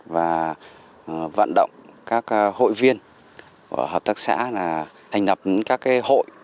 và vận động các hội viên hợp tác xã thành lập các hội